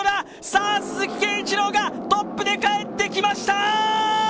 さあ、鈴木圭一郎がトップで帰ってきました。